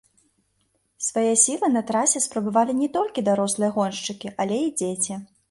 Свае сілы на трасе спрабавалі не толькі дарослыя гоншчыкі, але і дзеці.